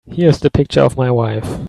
Here's the picture of my wife.